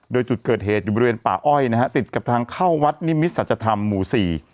โดยจุดเกิดเหตุอยู่บริเวณป่าอ้อยนะฮะติดกับทางเข้าวัดนิมิตรสัจธรรมหมู่สี่